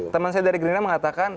teman saya dari gerindra mengatakan